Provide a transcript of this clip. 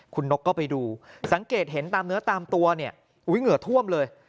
คุณนกก็ไปดูสังเกตเห็นตามเนื้อตามตัวเนี่ยอุ๊ยเหงื่อท่วมเลย